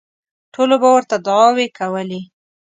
ټولو به ورته دوعاوې کولې.